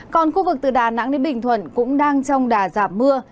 còn khu vực từ đà nẵng đến bình thuận cũng đang trong đà giảm mưa